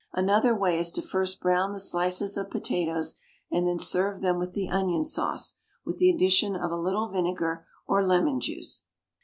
Another way is to first brown the slices of potatoes and then serve them with the onion sauce, with the addition of a little vinegar or lemon juice.